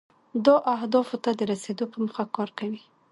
دا اهدافو ته د رسیدو په موخه کار کوي.